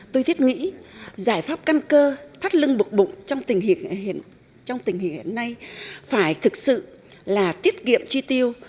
tôi thiết nghĩ giải pháp căn cơ thắt lưng bụt bụng trong tình hiện nay phải thực sự là tiết kiệm tri tiêu